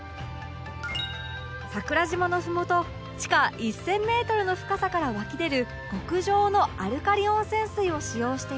桜島のふもと地下１０００メートルの深さから湧き出る極上のアルカリ温泉水を使用していて